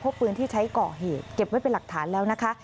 ปืนที่ใช้ก่อเหตุเก็บไว้เป็นหลักฐานแล้วนะคะ